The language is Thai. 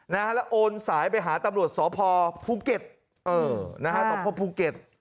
แล้วโอนสายไปหาตำรวจสพภูเก็ตเออนะฮะสพภูเก็ต